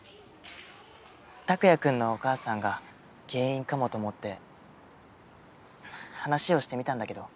タクヤくんのお母さんが原因かもと思って話をしてみたんだけど。